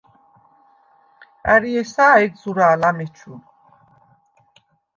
ა̈რი ესა̄ ეჯ ზურა̄ლ ამეჩუ?